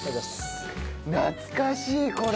懐かしいこれ！